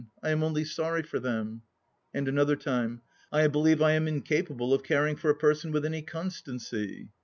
I am only sorry for them." And another time :" I believe I am incapable of caring for a person with any constancy."